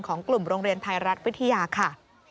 ของกลุ่มโรงเรียนไทยรัฐวิทยาค่ะ